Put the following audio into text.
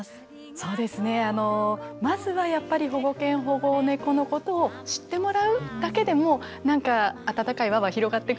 そうですねあのまずはやっぱり保護犬保護猫のことを知ってもらうだけでも何か温かい輪は広がってくかなという思いでいます。